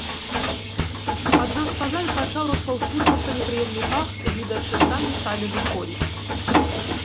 Аднак па зале пачаў распаўсюджвацца непрыемны пах і гледачы самі сталі выходзіць.